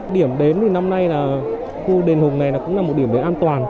điểm đến thì năm nay là khu đền hùng này cũng là một điểm đến an toàn